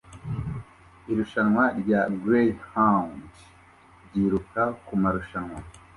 Irushanwa rya greyhound ryiruka kumarushanwa